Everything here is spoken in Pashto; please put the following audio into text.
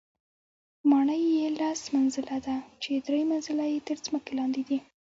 ماڼۍ یې لس منزله ده چې درې منزله یې تر ځمکې لاندې دي.